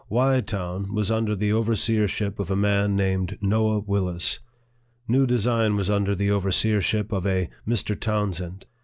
" Wye Town " was under the overseership of a man named Noah Willis. New Design was under the overseer ship of a Mr. Townsend.